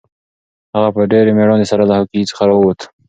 هغه په ډېرې مېړانې سره له کوهي څخه راووت.